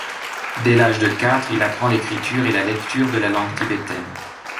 Dès l'âge de quatre, il apprend l'écriture et la lecture de la langue tibétaine.